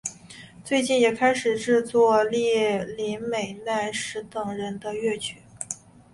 最近也开始制作栗林美奈实等人的乐曲。